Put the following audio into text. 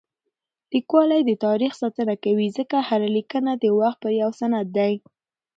لیکوالی د تاریخ ساتنه کوي ځکه هره لیکنه د وخت یو سند دی.